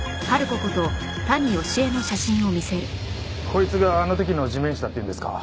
こいつがあの時の地面師だって言うんですか？